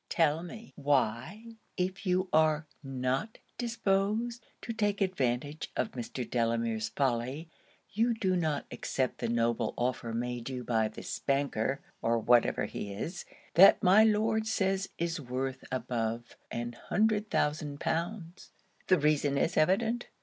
Tell me, why, if you are not disposed to take advantage of Mr. Delamere's folly, you do not accept the noble offer made you by this banker, or whatever he is, that my Lord says is worth above an hundred thousand pounds? The reason is evident.